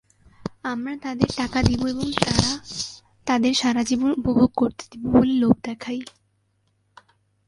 আমরা তাদের টাকা দিব এবং তাদের সারা জীবন উপভোগ করতে দিব বলে লোভ দেখাই।